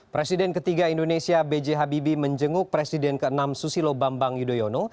presiden ketiga indonesia b j habibie menjenguk presiden ke enam susilo bambang yudhoyono